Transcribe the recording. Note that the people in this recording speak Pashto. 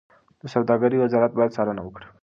د سوداګرۍ وزارت باید څارنه وکړي.